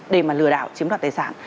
để mà lừa đảo chiếm đoạt tài sản